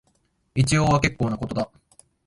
一応は結構なことだ